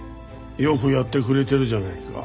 よくやってくれてるじゃないか。